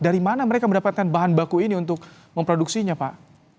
dari mana mereka mendapatkan bahan baku ini untuk memproduksinya pak